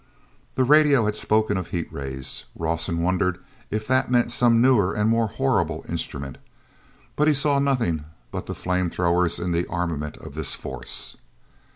The radio had spoken of heat rays; Rawson wondered if that meant some newer and more horrible instrument. But he saw nothing but the flame throwers in the armament of this force.